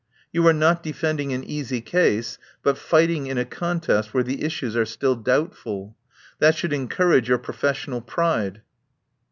You are not defending an easy case, but fighting in a contest where the issues are still doubtful. That should en courage your professional pride